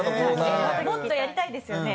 もっとやりたいですよね。